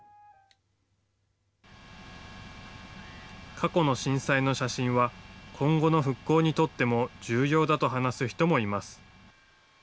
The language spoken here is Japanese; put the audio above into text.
過去の震災の写真は、今後の復興にとっても重要だと話す人もいます。